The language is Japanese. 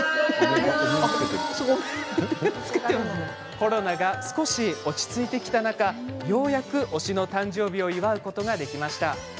コロナが落ち着いてきた中ようやく推しの誕生日を祝うことができました。